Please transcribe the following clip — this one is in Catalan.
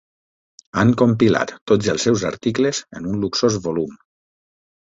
Han compilat tots els seus articles en un luxós volum.